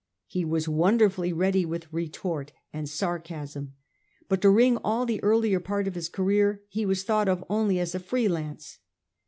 He was wonderfully ready with retort and sarcasm. But during all the earlier part of his career he was thought of only as a free lance.